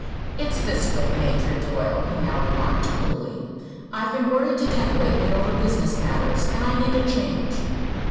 "It's this way, Major Doyle," he now remarked, coolly. "I've been worried to death, lately, over business matters; and I need a change."